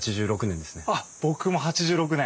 あっ僕も８６年！